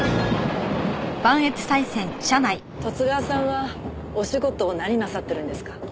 十津川さんはお仕事何なさってるんですか？